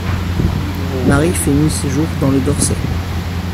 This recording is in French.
Marie finit ses jours dans le Dorset.